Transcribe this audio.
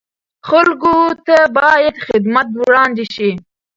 خلکو ته باید خدمات وړاندې شي.